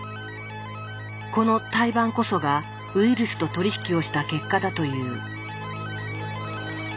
この胎盤こそがウイルスと取り引きをした結果だという。